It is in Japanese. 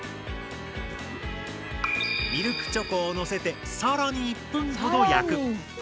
ミルクチョコをのせて更に１分ほど焼く。